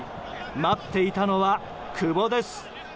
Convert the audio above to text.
待っていたのは、久保です。